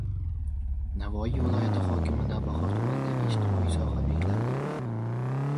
Navoiy viloyati hokimi Navbahor tumanidagi ijtimoiy soha ob’ektlarida bo‘ldi